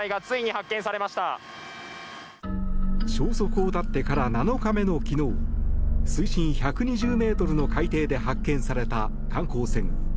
消息を絶ってから７日目の昨日水深１２０ｍの海底で発見された観光船。